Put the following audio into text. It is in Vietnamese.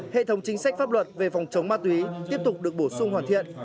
hệ thống chính sách pháp luật về phòng chống ma túy tiếp tục được bổ sung hoàn thiện